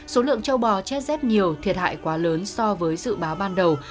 số lượng châu bò chết rét nhiều thiệt hại quá lớn so với dự báo ban đầu